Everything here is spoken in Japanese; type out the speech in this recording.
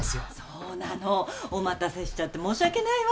そうなのお待たせしちゃって申し訳ないわ